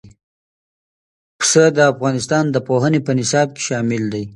پسه د افغانستان د پوهنې په نصاب کې شامل دی.